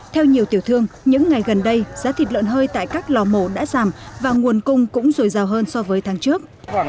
theo nhiều tiểu thương những ngày gần đây giá thịt lợn hơi tại các lò mổ đã giảm và nguồn cung cũng dồi dào hơn so với tháng trước